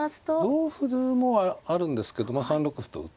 同歩もあるんですけどまあ３六歩と打って。